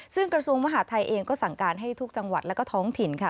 ซึ่งกระทรวงมหาทัยเองก็สั่งการให้ทุกจังหวัดและก็ท้องถิ่นค่ะ